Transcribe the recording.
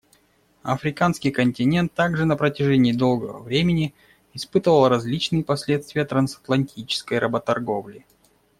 Африканский континент также на протяжении долгого времени испытывал различные последствия трансатлантической работорговли.